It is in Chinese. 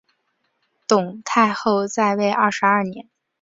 董太后在位二十二年。